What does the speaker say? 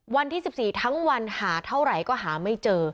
วันที่๑๔ทั้งวันหาเท่าไหร่ก็หาไม่เจอ